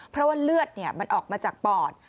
เพราะว่าเลือดมันออกมาจากปอด